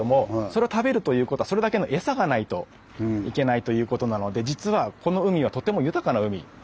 それを食べるということはそれだけの餌がないといけないということなので実はこの海はとても豊かな海。